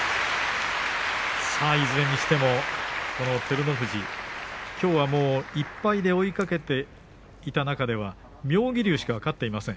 いずれにしても照ノ富士きょうはもう１敗で追いかけていた中では妙義龍しか勝っていません。